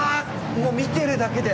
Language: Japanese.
もう見てるだけで。